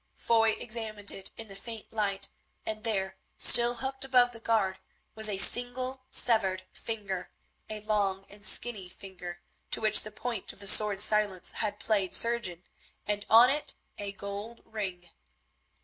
Foy examined it in the faint light, and there, still hooked above the guard, was a single severed finger, a long and skinny finger, to which the point of the sword Silence had played surgeon, and on it a gold ring.